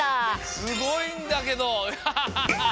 すごいんだけどアハハハハ！